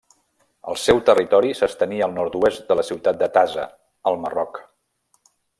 El seu territori s'estenia al nord-oest de la ciutat de Taza, al Marroc.